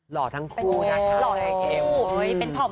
หล่อทั้งคู่นะคะ